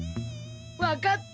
分かった！